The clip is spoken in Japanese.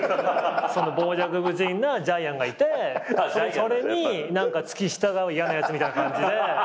傍若無人なジャイアンがいてそれに付き従う嫌なやつみたいな感じで。